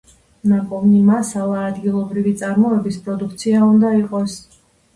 ნაპოვნი მასალა ადგილობრივი წარმოების პროდუქცია უნდა იყოს.